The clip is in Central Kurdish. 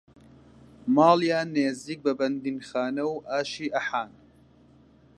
ماڵیان نێزیک بە بەندیخانەوو ئاشی ئەحان